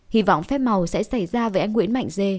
hy vọng phép màu sẽ xảy ra với anh nguyễn mạnh dê